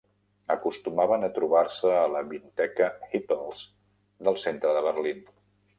Acostumaven a trobar-se a la vinoteca Hippel's del centre de Berlín.